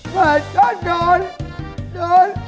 เหมือนถ้าโดนโดน